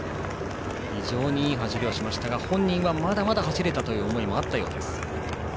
非常にいい走りをしましたが本人はまだまだ走れたという思いもあったようです。